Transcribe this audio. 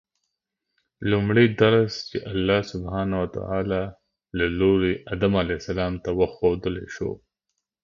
لومړی درس چې الله سبحانه وتعالی له لوري آدم علیه السلام ته وښودل شو